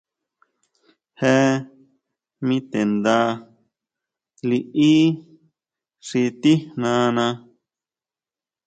Jee mi te nda liʼí xi tijnana.